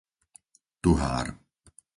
Tuhár